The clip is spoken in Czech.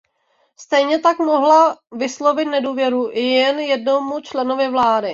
Stejně tak mohla vyslovit nedůvěru i jen jednomu členovi vlády.